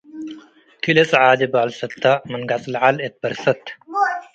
ክልኤ ጸዓዲ ባልሰት ተ ምን ገጽ ለዐል እት በርሰት